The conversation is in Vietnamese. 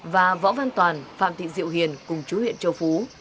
và võ văn toàn phạm thị diệu hiền cùng chú huyện châu phú